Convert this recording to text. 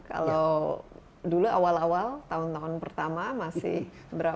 kalau dulu awal awal tahun tahun pertama masih berapa